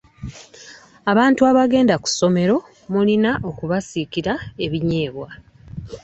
Abaana abagenda ku ssomero mulina okubasiikira eminyeebwa.